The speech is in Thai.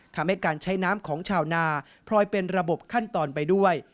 ทำให้การใช้น้ำของชาวนาพลอยเป็นระบบขั้นตอนไปด้วย